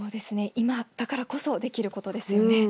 今だからこそできることでしょうね。